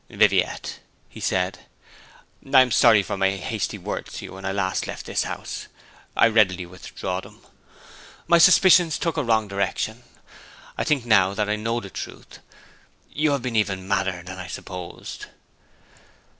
'Viviette,' he said, 'I am sorry for my hasty words to you when I last left this house. I readily withdraw them. My suspicions took a wrong direction. I think now that I know the truth. You have been even madder than I supposed!'